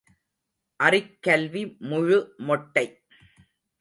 அறிக் கல்வி முழு மொட்டை.